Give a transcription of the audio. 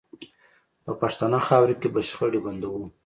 په پښتنه خاوره کې به شخړې بندوو